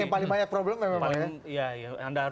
yang paling banyak problem memang pak ya